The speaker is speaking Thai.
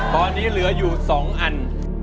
ตอนนี้เหลืออยู่๒อัน